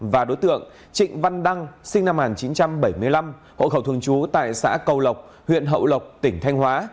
và đối tượng trịnh văn đăng sinh năm một nghìn chín trăm bảy mươi năm hộ khẩu thường trú tại xã cầu lộc huyện hậu lộc tỉnh thanh hóa